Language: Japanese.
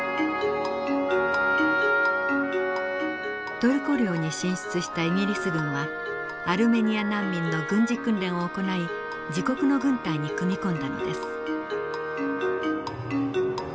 トルコ領に進出したイギリス軍はアルメニア難民の軍事訓練を行い自国の軍隊に組み込んだのです。